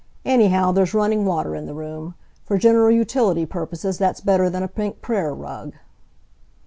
Anyhow there's running water in the room. For general utility purposes that's better than a pink prayer rug."